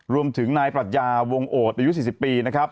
รวมถึงนายปรัชญาวงโอดอายุ๔๐ปีนะครับ